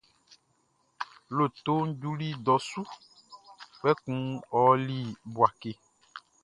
Lotoʼn juli dɔ su, kpɛkun ɔ ɔli Bouaké.